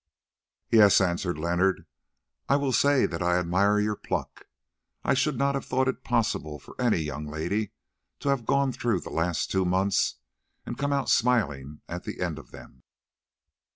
"Yes," answered Leonard, "I will say that I admire your pluck. I should not have thought it possible for any young lady to have gone through the last two months, and 'come out smiling' at the end of them."